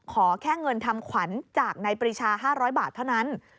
ขอแค่เงินทำขวัญจากนายปริชา๕๐๐บาทเท่านั้น